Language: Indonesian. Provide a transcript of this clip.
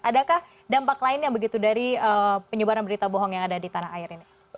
adakah dampak lainnya begitu dari penyebaran berita bohong yang ada di tanah air ini